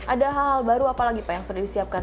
ada hal hal baru apa lagi pak yang sudah disiapkan